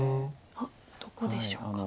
どこでしょうか？